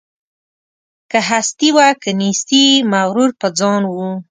که هستي وه که نیستي مغرور په ځان وو